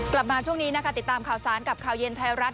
กลับมาช่วงนี้นะคะติดตามข่าวสารกับข่าวเย็นไทยรัฐ